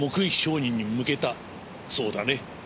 そうだね？